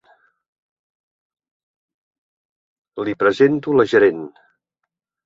Li presento la gerent.